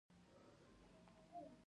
ایا زما غاښ ایستل غواړي؟